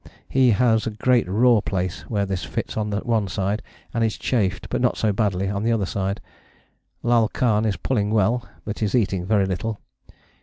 He has a great raw place where this fits on one side, and is chafed, but not so badly, on the other side. Lal Khan is pulling well, but is eating very little.